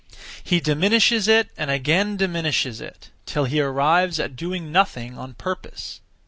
He diminishes it and again diminishes it, till he arrives at doing nothing (on purpose).